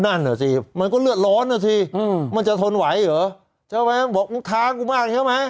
นั่นน่ะสิมันก็เลือดร้อนนะสิมันจะทนไหวเหรอใช่ไหมบอกมึงท้ากูมากใช่ไหม